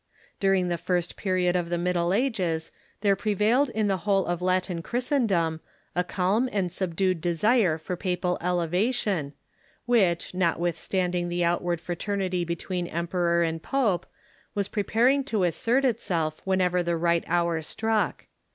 During the first period of the Middle Ages there prevailed in the whole of Latin Christendom a calm and subdued desire for THE FICTITIOUS ISIDORE 113 papal elevation, ■which, notwithstanding the outward frater nity between emperor and pope, was preparing to Ke^Past' ^^^^'^'^^^^^^^ whenever the right hour struck.